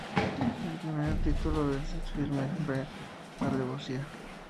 El primer título de este filme fue "Alevosía".